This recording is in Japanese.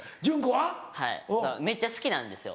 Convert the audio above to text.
はいめっちゃ好きなんですよ。